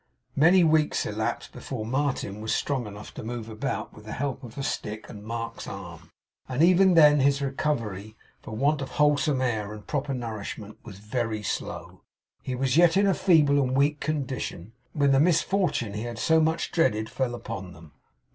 Many weeks elapsed before Martin was strong enough to move about with the help of a stick and Mark's arm; and even then his recovery, for want of wholesome air and proper nourishment, was very slow. He was yet in a feeble and weak condition, when the misfourtune he had so much dreaded fell upon them.